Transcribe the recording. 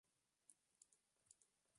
Actúan principalmente grupos folk.